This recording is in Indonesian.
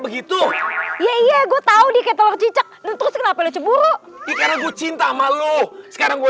begitu iya gue tahu diketel cicek dan terus kenapa lo cemburu karena gue cinta sama lu sekarang gue